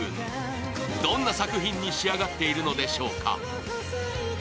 どんな作品に仕上がっているのでしょうか？